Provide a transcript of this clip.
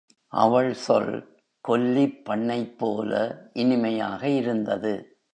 அவள் சொல் கொல்லிப் பண்ணைப்போல இனிமையாக இருந்தது.